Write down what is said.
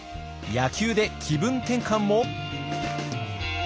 野球で気分転換も！？